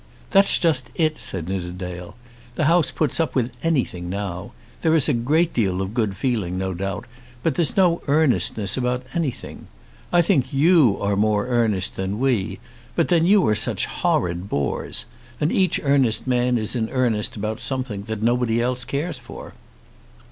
"That's just it," said Nidderdale. "The House puts up with anything now. There is a great deal of good feeling no doubt, but there's no earnestness about anything. I think you are more earnest than we; but then you are such horrid bores. And each earnest man is in earnest about something that nobody else cares for."